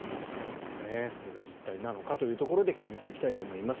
それが実態なのかというところで今日、見ていきたいと思います。